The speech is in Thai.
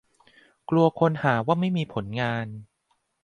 กลัวคนหาว่าไม่มีผลงาน